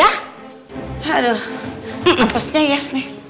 aduh hapusnya yes nih